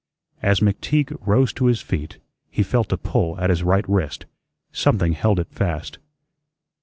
As McTeague rose to his feet, he felt a pull at his right wrist; something held it fast.